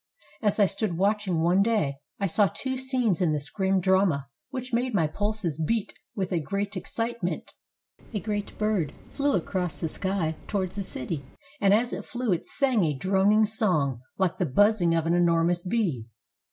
As I stood watching one day I saw two scenes in this grim drama which made my pulses beat with a great ex citement. A great bird flew across the sky towards the city, and as it flew it sang a droning song like the buzz ing of an enormous bee.